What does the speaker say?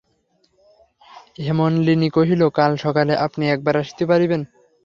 হেমনলিনী কহিল, কাল সকালে আপনি একবার আসিতে পারিবেন?